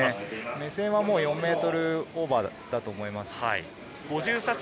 目線は４ｍオーバーだと思います。